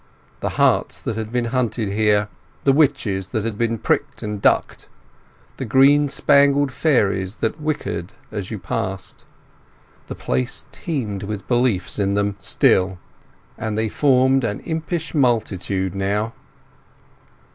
The harts that had been hunted here, the witches that had been pricked and ducked, the green spangled fairies that "whickered" at you as you passed;—the place teemed with beliefs in them still, and they formed an impish multitude now.